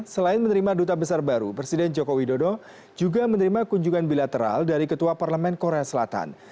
selain menerima duta besar baru presiden joko widodo juga menerima kunjungan bilateral dari ketua parlemen korea selatan